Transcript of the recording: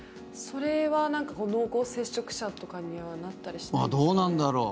それは濃厚接触者とかにはなったりしないんですか？